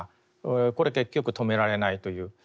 これ結局止められないという。